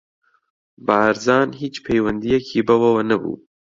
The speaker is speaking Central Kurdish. بارزان هیچ پەیوەندییەکی بەوەوە نەبوو.